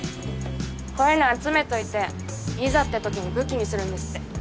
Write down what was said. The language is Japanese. こういうの集めといていざってときに武器にするんですって。